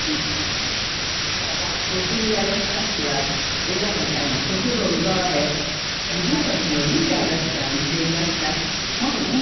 ボスニアのスタッフは緒方さんに心を奪われ自分たちのリーダーだと感じていました。